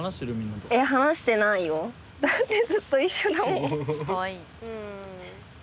だってずっと一緒だもん。